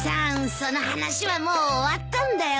その話はもう終わったんだよ。